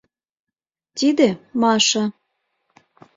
Тиде — Маша.